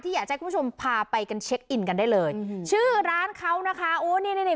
อยากจะให้คุณผู้ชมพาไปกันเช็คอินกันได้เลยชื่อร้านเขานะคะโอ้นี่นี่